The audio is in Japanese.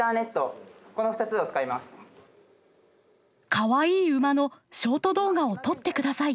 カワイイ馬のショート動画を撮ってください。